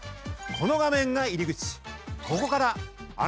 この画面が入り口。